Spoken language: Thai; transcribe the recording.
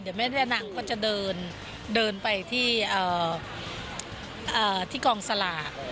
เดี๋ยวแม่ยานางก็จะเดินเดินไปที่เอ่อเอ่อที่กองสลาก